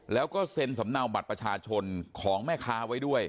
แล้วก็เซ็นสำเนาบัตรประชาชนของแม่ค้าไว้ด้วย